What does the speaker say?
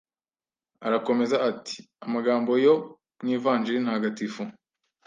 Arakomeza, ati amagambo yo mu ivanjiri ntagatifu,